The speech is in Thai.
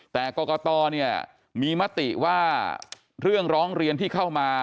แต่กรกตเนี่ยมีมติว่าเรื่องร้องเรียนที่เข้ามา